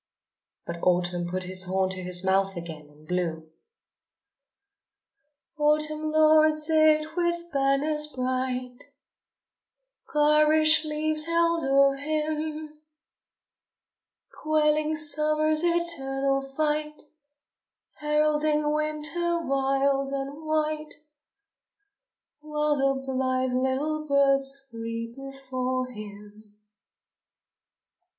But Autumn put his horn to his mouth again and blew: Autumn lords it with banners bright Of garish leaves held o'er him, Quelling Summer's eternal fight, Heralding Winter, wild and white, While the blithe little birds flee before him.